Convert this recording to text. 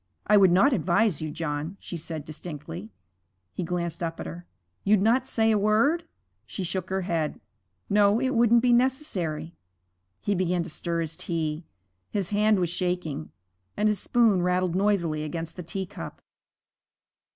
'I would not advise you, John,' she said, distinctly. He glanced up at her. 'You'd not say a word?' She shook her head. 'No, it wouldn't be necessary.' He began to stir his tea. His hand was shaking, and his spoon rattled noisily against the teacup.